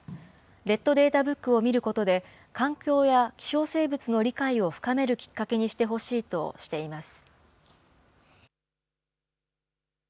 レッドデータブックを見ることで、環境や希少生物の理解を深めるきっかけにしてほしいとしています。